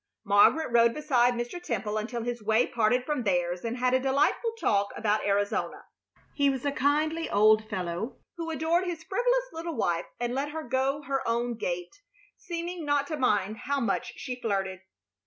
Margaret rode beside Mr. Temple until his way parted from theirs, and had a delightful talk about Arizona. He was a kindly old fellow who adored his frivolous little wife and let her go her own gait, seeming not to mind how much she flirted.